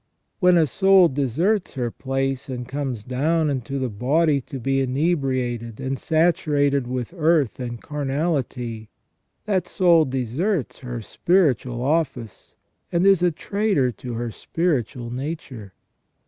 When a soul deserts her place, and comes down into the body to be inebriated and saturated with earth and car nality, that soul deserts her spiritual office, and is a traitor to her spiritual nature.